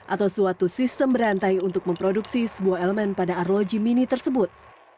atau suatu sistem berantai untuk memproduksi sebuah elemen pada arloji mini tersebut